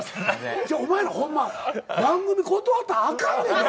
お前らホンマ番組断ったらあかんねんで。